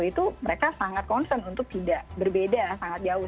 itu mereka sangat concern untuk tidak berbeda sangat jauh